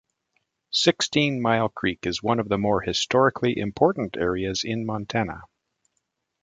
Sixteen-Mile Creek is one of the more historically important areas in Montana.